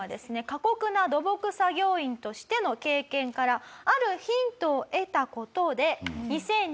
過酷な土木作業員としての経験からあるヒントを得た事で。